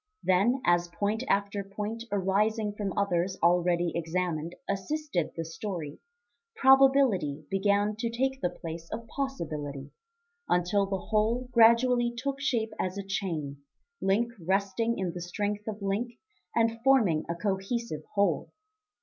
Then, as point after point arising from others already examined, assisted the story, probability began to take the place of possibility; until the whole gradually took shape as a chain, link resting in the strength of link and forming a cohesive whole.